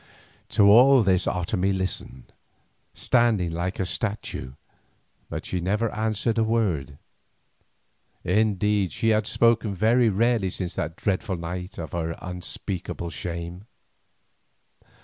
To all this Otomie listened, standing still like a statue, but she never answered a word. Indeed she had spoken very rarely since that dreadful night of her unspeakable shame.